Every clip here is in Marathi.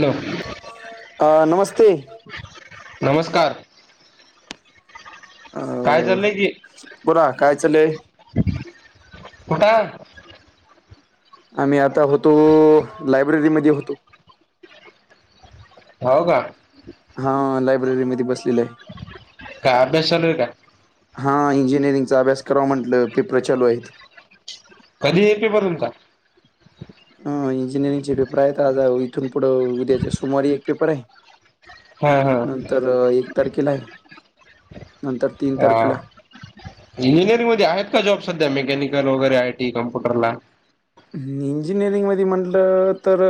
हॅलो अ नमस्ते. नमस्कार. अ, काय चाललंय की, बोला काय चाललंय? कुटाय आता. आम्ही आता होतो लायब्ररीमध्ये होतो. हो का. हा. लायब्ररी मध्ये बसलेल आहे. काय अभ्यास चालू आहे का? हा इंजिनिअरिंगचा अभ्यास करावा म्हटलं. पेपर चालू आहेत. कधी आहे पेपर तुमचा? ह इंजिनिअरिंग चे पेपर आहेत आज. इथून पुढं उद्याच्या सोमवारी एक पेपर आहे. हा नंतर एक तारखेला आहे. नंतर तीन हा तारखेला. इंजिनिअरिंग मध्ये आहेत का जॉब सध्या. मेकॅनिकल वगैरे, आयटी, कम्प्युटरला? हम्. इंजिनिअरिंगमध्ये म्हटलं तर,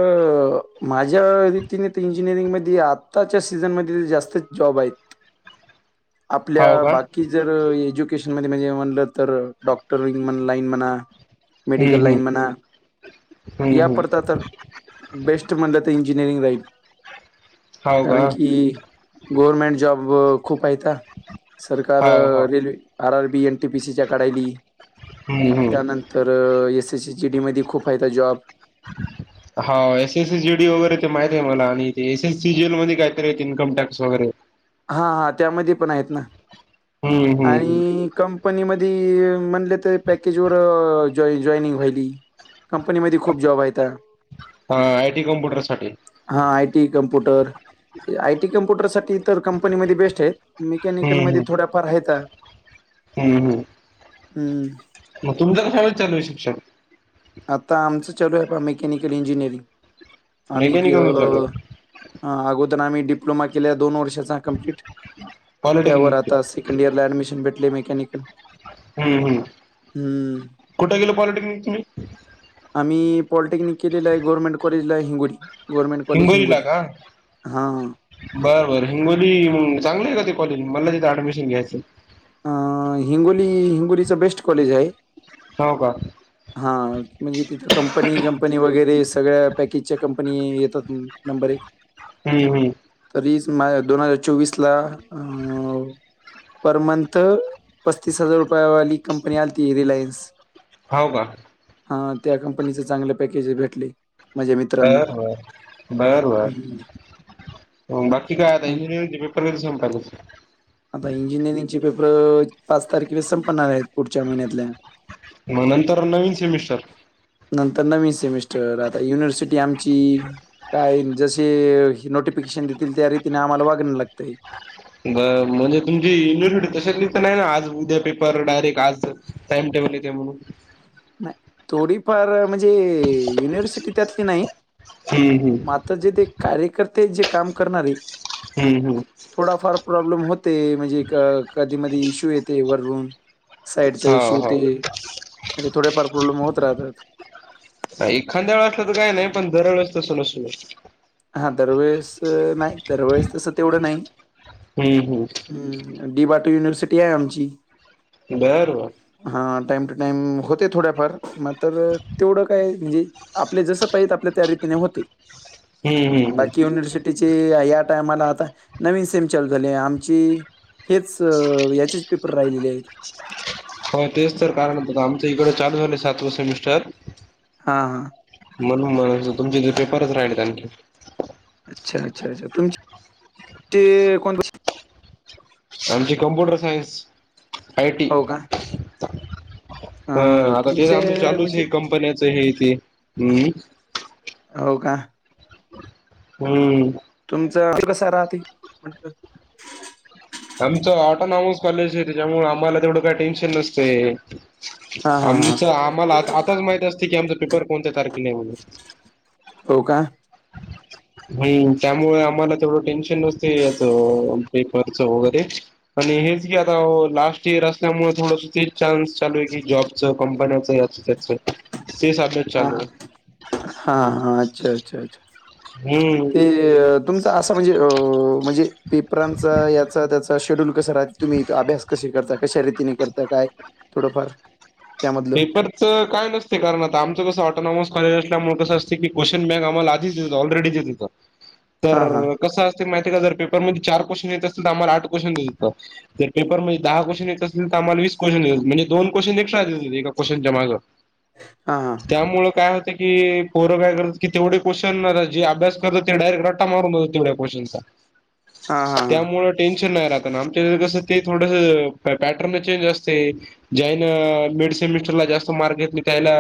माझ्या रीतीने इंजिनिअरिंगमध्ये आत ताच्या सीझनमध्ये जास्त जॉब आहेत. आपल्या हो का बाकी जर एज्युकेशनमध्ये म्हणजे म्हणलं तर डॉक्टरिंग लाइन म्हणा, मेडिकल हम्म लाईन म्हणा हम्म हम्म या हम्म पडता तर बेस्ट म्हटलं तर इंजिनिअरिंग लाइन हो कारण का की, गव्हर्मेंट जॉब खूप आहेत हा. सरकार हो हो रेल्वे आर आर बी, एनटीपीसीच्या काढायली. हम्म हम्म त्यानंतर तर S S C G D मध्ये खूप आहेत जॉब. [inaudible] हा S S S G D वगैरे ते माहित आहे मला. आणि ते एस एस सी जीएल मध्ये काय तरी इन्कम टॅक्स वगैरे. हा हा त्यामध्ये पण आहेत ना. हम्म हम्म हम्म आणि कंपनी मध्ये म्हणले तर पॅकेज वर जॉ जॉनिंग व्हायली. कंपनी मध्ये खूप जॉब आहेत. ह आय टी कॉम्प्युटर साठी. हा आयटी कम्प्युटर. आयटी कम्प्युटर साठी तर कंपनीमध्ये बेस्ट आहेत. मेकॅनिकलमध्ये थोड्याफार आहेत. हम् हम. हमं. मग तुमचा कसा होईल चालू आहे शिक्षक? आता आमचं चालू आहे. प मेकॅनिकल इंजिनिअरिंग. आम्ही मेकॅनिकल मध्ये चालू गय आहे हा अगोदर आम्ही डिप्लोमा केल्या दोन वर्षाचा कंप्लीट. त्यावर पॉलिटेक्निक आता से कंड इयर ला ॲडमिशन भेटली मेकॅनिकल हम्म हम्म. हम्म. कुठ केल पॉलिटेक्निक तुम्ही? आम्ही पॉलिटेक्निक केलेला आहे गव्हर्नमेंट कॉलेजला आहे हिंगोली. गव्हर्नमेंट कॉलेज हिंगोली ला का. हां बरं बर हिंगोली चांगलं आहे का ते कॉलेज? मला तिथे ऍडमिशन घ्यायचं. अ हिंगोली हिंगोलीच बेस्ट कॉलेज आहे. हो का. हा म्हणजे तिथं कंपनी. कंपनी वगैरे सगळ्या पॅकेजच्या कंपनी येतात नंबर एक [unintelligible] हम्म हम्. तरीच माझ्या दोन हजार चोवीस ला अं पर मंथ पस्तीस हजार रुपयावाली कंपनी आलती रिलायन्स. हो का. हा त्या कंपनीच चांगले पॅकेज भेटले. माझ्या मित्रांना बरबरं बरबर. हम्म. हो, बाकी काय आता मग इंजिनिअर [unintelligible] आता इंजिनिअरिंगचे पेपर अ पाच तारखेला संपणार आहेत, पुढच्या महिन्यातल्या. मंग नंतर नवीन सेमिस्टर. नंतर नवीन सेमिस्टर आता युनिव्हर्सिटी आमची काय जसे अ नोटिफिकेशन देतील त्या रीतीने आम्हाला वागणं लागतंय. म्हणजे, तुमची युनिव्हर्सिटी [unintelligible] नाही ना आज, उद्या पेपर डायरेक्ट आज टाईम टेबल येते म्हणून. नाय, थोडीफार म्हणजे युनिव्हर्सिटी त्यातली नाही. हम्म हम्म मा जे ते कार्यकर्ते जे काम करणारे हम्म, हम्म. थोडाफार प्रॉब्लेम होतेय, म्हणजे कधी मधी इश्यू येते वरून. साईडचा हो इश्यू हो ते, म्हणजे थोडेफार प्रॉब्लेम होत राहतात. काही खांद्यावर हात ठेवल तर काही नाही, पण दर वेळेस तसं नसू नये. हा, दर वेळेस नाही, दर वेळेस तसं तेवढं नाही. हम्म, हम्म. हम्म. डी बा टू युनिव्हर्सिटी आहे आमची. बर, बर. हा, टाइम टू टाइम होते थोड्या फार, मात्र तेवढं काय म्हणजे आपले जसं पाहीत आपल्या त्या रीतीने होते. हम्म, बाकी युनिव्हर्सिटीची या टायमाला आता नवीन सेम चालू झाली आमची हेच अ याचेच पेपर राहिलेले आहेत. होय तेच तर, कारण आमच इकडं चालू झालं सातवा सेमिस्टर हा. म्हणून मग तुमचे जे पेपरच राहिलेत आणखीन. अच्छा, अच्छा, [unintelligible] आमची कमप्युटर सायन्स आय टी. हो का? हा, अ आता ते आमचं तुमचे चालूच म्हणजे आहे, कंपन्याच हे ते. हम्म. हाव का? हम्म. तुमचं अ [unintelligible] कस राहती. आमचं ऑटोनॉमस कॉलेज आहे, त्याच्यामुळे आम्हाला तेवढं काय टेन्शन नसतंय, हां, हां, हां. आमचं आम्हा आ आता आत्ताच माहित असत की, आमचा पेपर कोणत्या तारखेला आहे म्हणून. हो का? हम्म आणि त्यामुळे आम्हाला तेवडं टेन्शन नसतय ह्याचं अ पेपर चव वगैरे आणि हेच की, आता लास्ट इयर असल्यामुळे थोडस ते चान्स चालू आहे की, जॉबचं कंपन्याच अच्छा, तेच अभ्यास चालू आहे. हा हा, अच्छा अच्छा, अच्छा. हम्म. तुमच असं म्हणजे अ... म्हणजे पेपरांचा याचा, त्याचा शेड्यूल कसा राहते. तुम्ही अभ्यास कशी करता, कशा रीतीने करता, काय थोडंफार? त्यामधलं? पेपर च काय नसतय, कारण आमचं कस ऑटॉनॉमस कॉलेज असल्यामुळे कसं असतय, क्वेशन बॅग आम्हाला आदीच देत ऑलरेडी देत होतात. [inaudible] तर र.. कसं असते माहिती आहे का, जर पेपरमध्ये चार क्वेश्न येत असतील तर आम्हाला आठ क्वेशन देतेतं. तर पेपरमध्ये दहा क्वेश्चन असतील,, तर आम्हाला वीस क्वे्शनत म्हणजे दोन क्वेश्चन एक्स्ट्रा देत होते. एक क्वेश्चन च्या मागं हा हा त्यामुळं काय होतं की, पोरं काय करत की तेवढे क्वेश्चन जे पोरं अभ्यास करतात ते डायरेक्ट रा कोोचा [unintelligible] [inaudible] हां, हां. त्यामुळं टेनशन नाही राहतं ना, आमच्या कसं ते थोडसं पॅटर्न चेंज असते. जैन अ मिड्स सेमेस्टरला जास्त मार्क घेतले त्यायला,,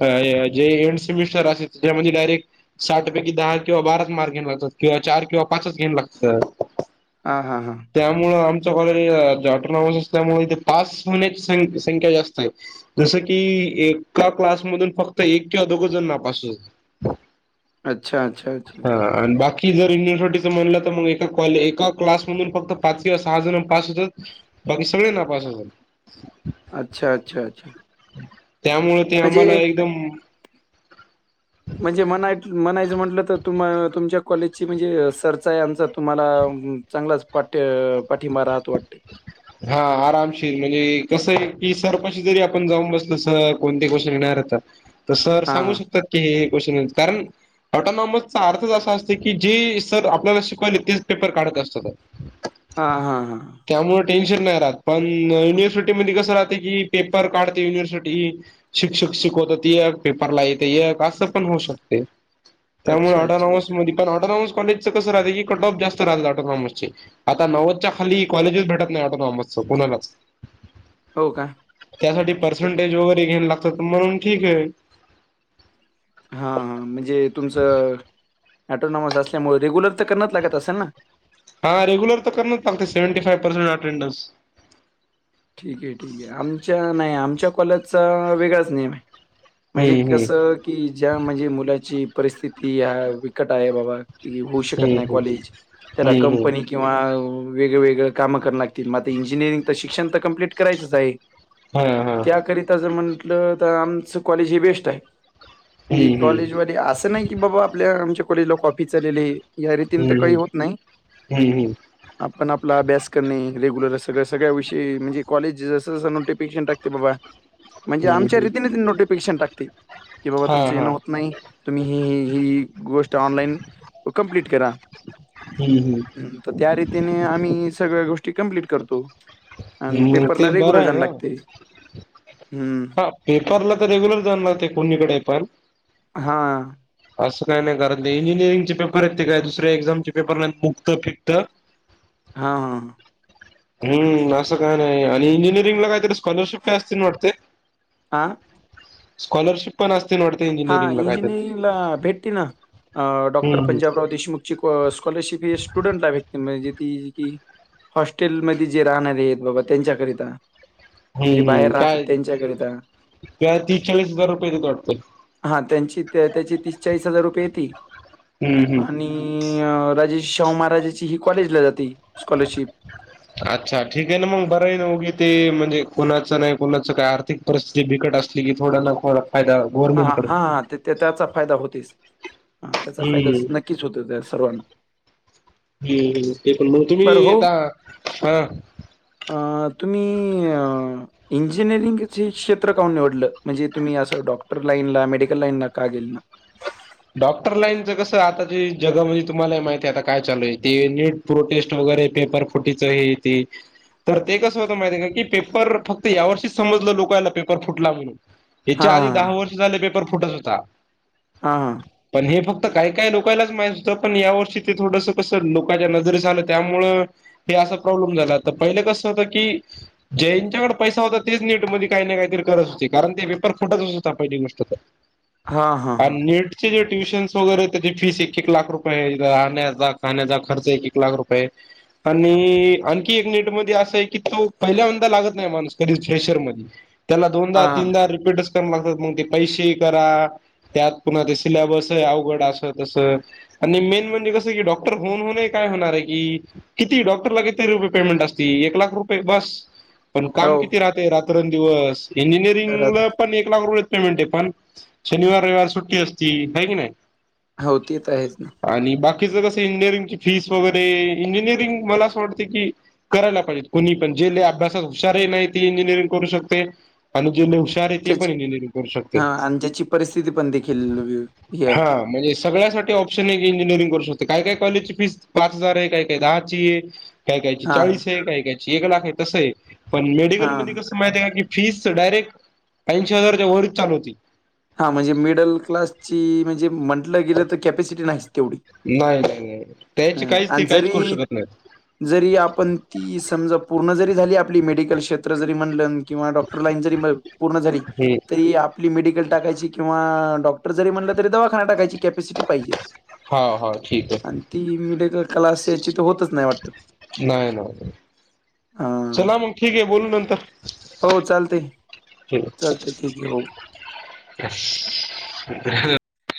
अ जे एंड सेमिस्टर असे त्या म्हणजे डायरेक्ट साठ पैकी दहा किंवा बाराच मार्क घेऊन लागतात, किंवा चार किंवा पाच घेऊन लागतत. हा हा. त्यामुळं आमचं कॉलेज जटनावस असल्यामुळं इथं पास होण्याची सं संख्या जास्त आहे जसं कि एका क्लास मधून फक्त एक किंवा दोघं जण नापास होतात. [inaudible] अच्छा, अच्छा, अच्छा. हं बाकी की जर युनिव्हर्सिटीच म्हणलं तर मग, एका कॉले एका क्लासमधून फक्त पाच किवा सहा जण पास होतात. बाकी सगळे नापास होतात. अच्छा अच्छा. त्यामुळं ते आम्हाला म्हणजे एकदम म्हणजे म्ह म्हणायचं म्हटलं तर तुम कॉलेजची म्हणजे सरचा आहे आमचा तुम्हाला चांगलाच पाठ्य पाठिंबा राहत वाटते हा आरामशील म्हणजे, कसं आहे की सरपाशी जरी आपण जाऊन बसलं स कोणती गोष्ट नाही येणार तर तर सर सांगू हां, शकतात की हे गोष्ट कारण ऑटोनॉमसचा अर्थच असा असतो की, जे सर आपल्याला शिकवायले तेच पेपर काढत असतात तर. हा हा. त्यामुळं टेन्शन नाही राहत, पण युनवर्सिटी मध्ये कसं राहतं की, पेपर काढते युनिव्हर्सिटी शिक्षक शिकवतात एक, पेपरला येत एक, असं पण होऊ शकते. त्यामुळे अच्छा, अच्छा, ऑटोनौमिस अच्छा. मधी- पण ऑटोनॉमस कॉलेज च कसं रातं की कटॉप जास्त राहतं ऑटनॉमसचे मधे,, आता नव्वदच्या खाली कॉलेजेच भेटत नाही वाटतं, कोणालाच. हो का. त्यासाठी तर पर्सेंटेज वगैरे घ्यायला लागतात, म्हणून ठीक आहे हा, म्हणजे तुमचं ऍटोनॉमस असल्यामुळं रेग्युलर तर कराच लागत असल ना. हा, रेग्युलर तर करनचं लागते सेवंट फार्सेंटेंडस ठीक आहे ठीक आहे, आमच्या नाही आमच्या कॉलेजचा वेगळाच नेम आहे. म्हणजे हम्म कसं, की ज्या म्हणजे मुलाची परिस्थिती ह्या बिकट आहे बाबा होऊ शकत नाही हम्म कॉलेज, त्याला कंपनी किंवा वेगळे ववेगळे काम कंरा लागतील, म इंजिनिअरिंग तर शिक्षण तर कंम्प्लीट करायचंच आहे हम्म त्याकरिताच म्हंटलं तर आमचं कॉलेज हे बेस्ट आहे. कॉलेजमध्ये असं नाही, की बाबा आपल्या आमच्या कॉलेजला कॉफी चालेली आहे या रीतीनं तर काही हम्म होत नाही. हम्म आपण आपला अभ्यास करणे, रेग्युलर असं सगळ्या सगळ्या विषयी म्हणजे कॉलेज जसं जसं नोटिफिकेशन टाकते बाबा हम्म हा हा हम्म हम्म म्हणजे हम्म हम्म हम्म हम्म आमच्या हम्म रीतीन तीन नोटिफिकेशन टाकते, की बाबा हा तुमचं हा येणं होत नाय. तुम्ही ही ही ही ही गोष्ट ऑनलाईन कंप्लीट करा. हम्म हम्म. त्या रीतीने आम्ही सगळ्या गोष्टी कंप्लीट करतो. आणि म ते पेपरला बरं रेग्युलर आय जाणं ना? लागते. हं. हा पेपरला तर रेग्युलर जाणार ते कोणीकडे पण. हा. असं काय नाय कारण ते इंजिनिअरिंगचे पेपर आयत ते काय दुसऱ्या एक्झामचे पेपर नाय मुक्तं फिक्त. हा हा. हम्म, असं काय नाय आणि इंजिनिअरिंगला कायतरी स्कॉलरशिप काय असते ना वाटतय? आं? स्काॉरशिप पण असते ना वा हा इंजिनिअरिंग ला भेटते ना हम्म डॉक्टर पंजाबराव देशमुख ची स्कॉलरशिप ही स्टुडंटला भेटते म्हणजे ती की हॉस्टेलमध्ये जे राहणारे एक बाबा त्यांच्याकरिता. जे बाहेर राहतात त्यांच्याकरिता. त्या तीस चाळीस हजार रुपये येतात वाटत. हा त्यांची त्याची तीस चाळीस हजार रुपये येती हम्म हम्म आणि नी अ राजे श्री शाहू महाराजाची ही कॉलेजला जाते स्कॉलरशिप. अच्छा ठीक आय ना मग बरं आय ना उगी ते म्हणजे कुणाचं नाय कुणाचं काय आर्थिक परिस्थिती बिकट असली की थोडा ना फायदा हा गव्हर्नमेंट कडे हा हा ते त्याचा फायदा होतीस हा त्याचा फायदा हम्म नक्कीच होतो त्या सर्वांना. हम्म, एकूण म तुम्ही बरं हो, आता, हा अ तुम्ही इंजिनिअरिंगचे क्षेत्र काऊन निवडलं? म्हणजे तुम्ही असं डॉ क्टर लाइन ला मेडिकल लाईन ला का गेले नाय? डॉक्टर लाईनच कसं आता जे जगा मध्ये तुम्हाला माहिती हाय आता काय चालू आय ते नेट प्रोटेस्ट वगैरे पेपर फुटीचं हे ते. तर ते कसं होतं माहिती आय का की पेपर फक्त यावर्षीच समजलं लोकला पेपर फुटला म्हणून. ह्याच्या आधी हां, दहा वर्ष झाल पेपर फुटत होता. हा. पण हे फक्त काय काय लोकायलाच माहित होतं पण या वर्षी ते थोडंसं कसं लोकांच्या नजरेस आलं त्यामुळं हे असा प्रॉब्लेम झाला त पहिले कसं होतं की ज्यांच्याकडे पैसा तेच नेटमध्ये काय ना करत होते कारण ते पेपर फुटतच हुता पहिली गोष्ट तर. हा हा. नीट चे- जे ट्युशन्स वगैरे त्याची फीस एक एक लाख रुपये आय राहण्याचा खाण्याचा खर्च एक एक लाख रुपय आय. आणि आणखी एक नीट मध्ये असा आय की तो पहिल्यांदा लागत नाय माणूस कधी प्रेशर मध्ये. त्याला दोनदा हां, हां. तीनदा रिपीटच [unintelligible] लागतात मग ते पैसे करा त्यात पुन्हा ते सिल्याबस अवघड अस तसं. आणि मेन म्हणजे कसं की डॉक्टर होऊन होऊन काय होणार आय की किती डॉक्टरला किती रुपये पेमेंट असती एक लाख रुपये बास. पण हो, काम किती राहते रात्रं अन् दिवस घरात इंजिनिअरिंगला पण एक लाख रुपय पेमेंट आय पण शनिवार रयवार सुट्टी असती हाय की नाय. हो ते त आहेच ना. आणि बाकीचं कसं इंजिनिअरिंग ची फीस वगैरे इंजिनिअरिंग मला असं वाटते की करायला पाहिजे कोणी पण जे लय अभ्यासात हुशार आहे नाय ते इंजिनिअरिंग करू शकते आणि जे नय हु शार आहे ते ज्याची पण इंजीनियरिंग करू शकते. हां आणि ज्याची परिस्थिती पण देखील व्यू हां म्हणजे स सगळ्यासाठी ऑप्शन आहे की इंजिनिअरिंग करू शकत काय काय कॉलेजची फीस पाच हजार आहे काय काय दहाची आहे काय कयची हां, चाळीस आहे काय कायची एक लाख आहे तसं आहे पण मेडिकल हां. मध्ये कसं माहिती आहे का की फीस डायरेक्ट ऐंशी हजारच्या वरच चालू होती. हा म्हणजे मिडल क्लासची म्हणजे म्हंटलं गेलं तर कॅपॅसिटी नाहीच तेवढी. नाही नाही नाही त्याची हं. काहीच ते आणि काहीच करू जरी शकत नाहीत. जरी आपण ती समजा पूर्ण जरी झाली आपली मेडिकल क्षेत्र जरी म्हणलं किंवा डॉक्टर लाइन जरी म पूर्ण झाली नाहीत तरी आपली मेडिकल टाकायची किंवा डॉक्टर जरी म्हणलं तरी दवाखाना टाकायची. कॅपॅसिटीज पाहिजेत हा हा ठीक आहे आणि ती मिडक क्लासचे हेच्यात तर होतच नाही वाटतं. नाय ना [unintelligible] हां. चला मग ठीक आहे बोलू नंतर. हो चालतय, ठीक आहे चालतय ठीक आहे हो. [unintelligible]